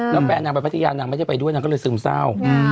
แล้วแฟนนางไปพัทยานางไม่ได้ไปด้วยนางก็เลยซึมเศร้า